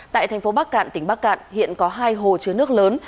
tại thành phố bắc cạn tỉnh bắc cạn hiện có hai hồ chứa nước lớn